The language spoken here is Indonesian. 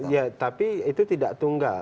ya tapi itu tidak tunggal